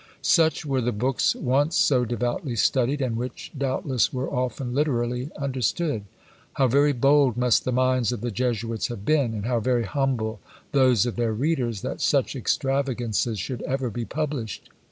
Such were the books once so devoutly studied, and which doubtless were often literally understood. How very bold must the minds of the Jesuits have been, and how very humble those of their readers, that such extravagances should ever be published!